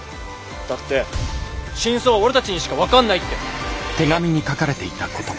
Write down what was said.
だって真相は俺たちにしか分かんないって。